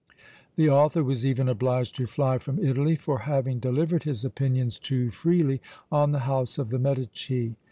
The author was even obliged to fly from Italy for having delivered his opinions too freely on the house of the Medici.